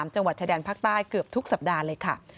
จังหวัดชายแดนภาคใต้เกือบทุกสัปดาห์เลยค่ะ